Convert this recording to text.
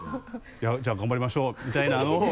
「じゃあ頑張りましょう」みたいなのを。